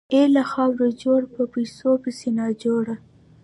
اې له خاورو جوړه، په پيسو پسې ناجوړه !